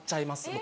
僕。